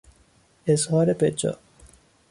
اظهار بجا